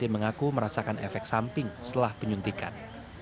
mengaku merasakan efek samping setelah penyuntikan